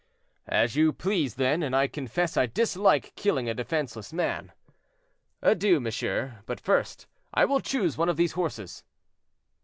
"As you please, then, and I confess I dislike killing a defenseless man. Adieu, monsieur. But first, I will choose one of these horses."